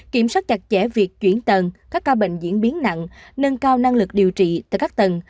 kiểm soát chặt chẽ việc chuyển tầng các ca bệnh diễn biến nặng nâng cao năng lực điều trị tại các tầng